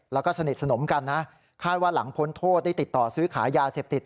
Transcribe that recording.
แล้วก็สนิทสนมกันนะคาดว่าหลังพ้นโทษได้ติดต่อซื้อขายยาเสพติด